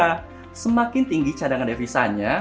karena semakin tinggi cadangan devisanya